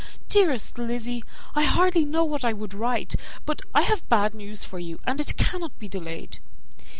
Dearest Lizzy, I hardly know what I would write, but I have bad news for you, and it cannot be delayed.